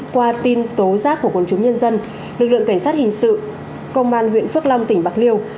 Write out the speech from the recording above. qua tin tố giác của quân chúng nhân dân lực lượng cảnh sát hình sự công an huyện phước long tỉnh bạc liêu